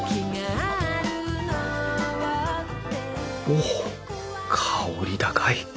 おっ香り高い。